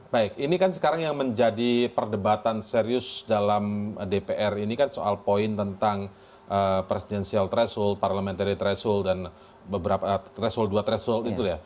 baik ini kan sekarang yang menjadi perdebatan serius dalam dpr ini kan soal poin tentang presidensial threshold parliamentary threshold dan beberapa threshold dua threshold itu ya